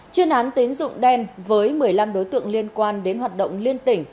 chuyên án tín dụng đen với một mươi năm đối tượng liên quan đến hoạt động liên tỉnh